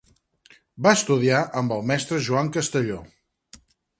Va estudiar amb el mestre Joan Castelló.